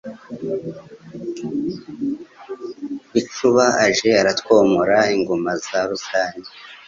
Bicuba aje aratwomora Inguma za Rusange.